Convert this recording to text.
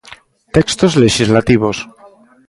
Textos lexislativos.